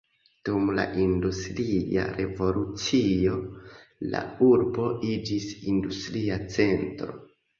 Dum la industria revolucio la urbo iĝis industria centro.